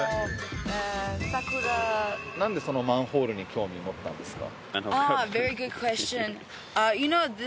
なんでそのマンホールに興味持ったんですか？